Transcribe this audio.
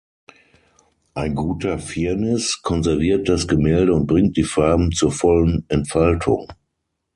Ein guter Firnis konserviert das Gemälde und bringt die Farben zur vollen Entfaltung.